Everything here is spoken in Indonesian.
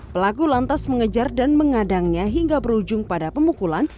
pelaku lantas mengejar dan mengadangnya hingga berujung pada pemukulan